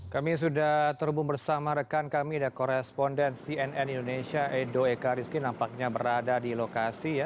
kami sudah terhubung bersama rekan kami ada koresponden cnn indonesia edo ekariski nampaknya berada di lokasi ya